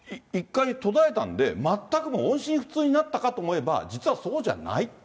だから、一回、途絶えたんで、全くの音信不通になったかと思えば、実はそうじゃない。